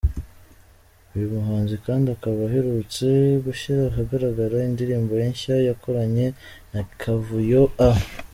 Uyu muhanzi kandi akaba aherutse gushyira ahagaragara indirimbo ye nshya yakoranye na Kavuyo a.